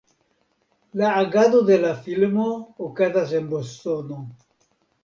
La agado de la filmo okazas en Bostono.